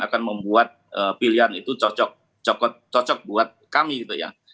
akan membuat pilihan itu cocok buat kami gitu ya